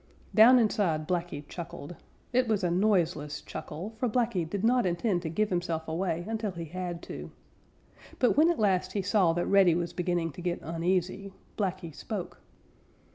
Down inside Blacky chuckled. It was a noiseless chuckle, for Blacky did not intend to give himself away until he had to. But when at last he saw that Reddy was beginning to get uneasy, Blacky spoke.